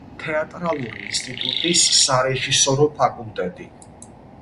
თეატრალური ინსტიტუტის სარეჟისორო ფაკულტეტი.